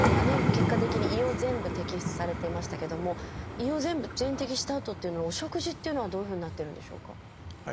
結果的に胃を全部摘出されてましたけども胃を全部全摘したあとっていうのはお食事っていうのはどういうふうになってるんでしょうか？